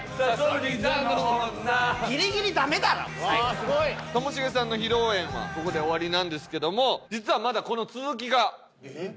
うわすごい！ともしげさんの披露宴はここで終わりなんですけども実はまだこの続きが。えっ！？